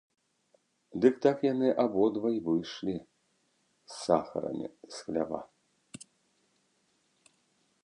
Дык так яны абодва й выйшлі з сахарамі з хлява.